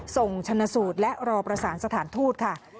ส่งชนะสูตรและรอประสานสถานทูตค่ะ